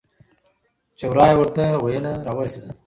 چې ورا یې ورته ویله راورسېدل.